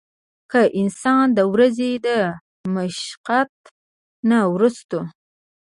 کۀ انسان د ورځې د مشقت نه وروستو